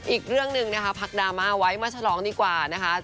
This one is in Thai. อีกเรื่องหนึ่งนะคะพักดราม่าไว้มาฉลองดีกว่านะคะ